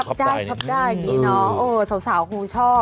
พับได้ดีเนาะโอ้สาวคงชอบ